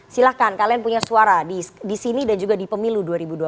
silahkan kalian punya suara di sini dan juga di pemilu dua ribu dua puluh